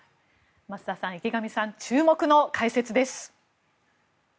増田さん、池上さん注目の解説です。